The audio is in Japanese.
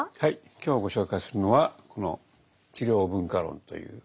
今日ご紹介するのはこの「治療文化論」という本です。